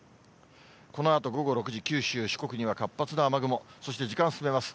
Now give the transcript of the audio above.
このあと午後６時、九州、四国には活発な雨雲、そして時間進めます。